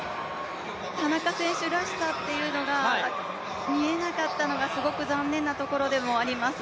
田中選手らしさというのが見えなかったのがすごく残念なところでもあります。